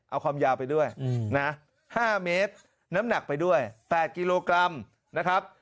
เอาความยาวไปด้วยนะ๕เมตรน้ำหนักไปด้วย๘กิโลกรัมนะครับ